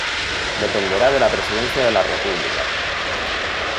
Dependerá de la Presidencia de la República.